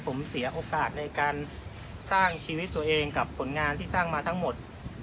ผมเสียโอกาสในการสร้างชีวิตตัวเองกับผลงานที่สร้างมาทั้งหมด